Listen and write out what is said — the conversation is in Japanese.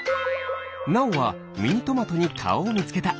なおはミニトマトにかおをみつけた。